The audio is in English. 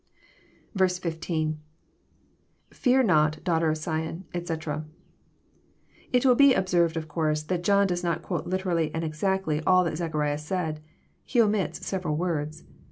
16. — IFear not, daughter of Sion, etcJ] It will be observed, of course, that John does not quote literally and exactly all that Zechariah said. He omits several words.